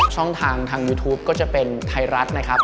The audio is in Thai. ช่องทางทางยูทูปก็จะเป็นไทยรัฐนะครับ